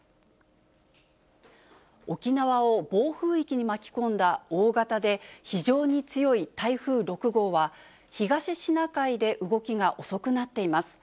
沖縄を暴風域に巻き込んだ大型で非常に強い台風６号は、東シナ海で動きが遅くなっています。